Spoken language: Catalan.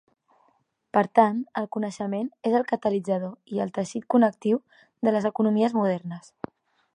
Per tant, el coneixement és el catalitzador i el teixit connectiu de les economies modernes.